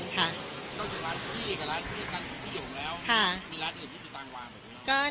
ก็จะร้านพี่กับร้านพี่กันพี่หย่งแล้วค่ะมีร้านอื่นที่จะทำวาง